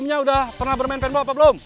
timnya udah pernah bermain penbo apa belum